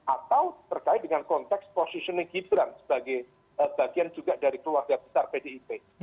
atau terkait dengan konteks positioning gibran sebagai bagian juga dari keluarga besar pdip